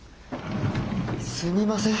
すみません。